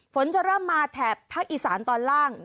ฝนจะเริ่มมาแถบภาคอีสานตอนล่าง